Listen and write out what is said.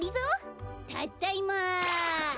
たっだいま。